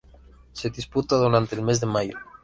Se disputa durante el mes de mayo.